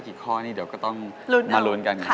ข้อนี่เดี๋ยวก็ต้องมาลุ้นกัน